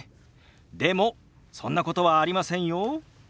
でもそんなことはありませんよ。